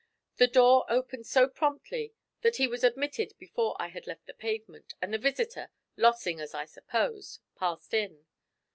The door opened so promptly that he was admitted before I had left the pavement, and the visitor, Lossing as I supposed, passed in.